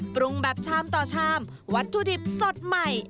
ปรุงแบบชามต่อชามวัตถุดิบสดใหม่